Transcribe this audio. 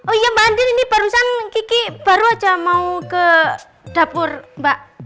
oh iya mandir ini barusan kiki baru aja mau ke dapur mbak